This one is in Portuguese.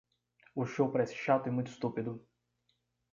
O show parece chato e muito estúpido.